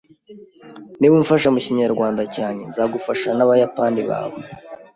Niba umfasha mukinyarwanda cyanjye, nzagufasha nabayapani bawe.